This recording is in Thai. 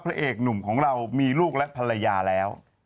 พระเอกหนุ่มของเรามีลูกและภรรยาแล้ว